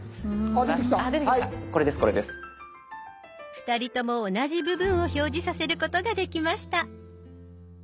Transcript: ２人とも同じ部分を表示させることができました。